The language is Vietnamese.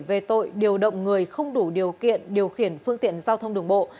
về tội điều động người không đủ điều kiện điều khiển phương tiện giao thông đường bộ